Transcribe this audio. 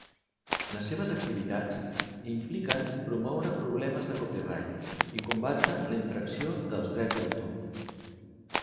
Les seves activitats impliquen promoure problemes de copyright i combatre la infracció dels drets d'autor.